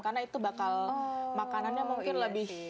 karena itu bakal makanannya mungkin lebih